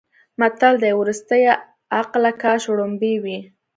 متل دی: ورستیه عقله کاش وړومبی وی.